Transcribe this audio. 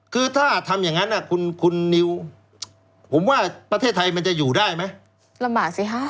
คือถ้าทำอย่างนั้นคุณคุณนิวผมว่าประเทศไทยมันจะอยู่ได้ไหมลำบากสิฮะ